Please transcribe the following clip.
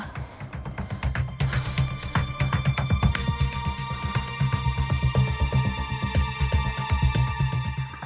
aku tidak mau mencoba